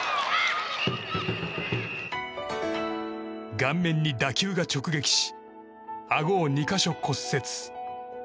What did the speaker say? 顔面に打球が直撃しあごを２か所骨折。